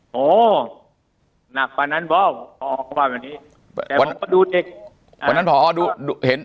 โหหนักกว่านั้นพอพอออกมาแบบนี้แต่ผมก็ดูเด็ก